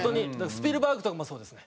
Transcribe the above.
スピルバーグとかもそうですね。